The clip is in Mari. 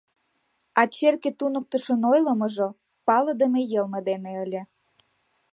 А черке туныктышын ойлымыжо палыдыме йылме дене ыле.